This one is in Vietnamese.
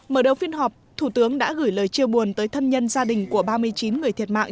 mở đầu phiên họp thủ tướng đã gửi lời chia buồn tới thân nhân gia đình của ba mươi chín người thiệt mạng